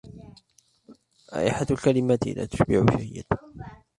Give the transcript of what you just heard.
رائحة الكلمات لا تشبع شهيتي.